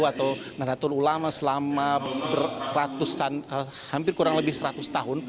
atau nadatul ulama selama beratusan hampir kurang lebih seratus tahun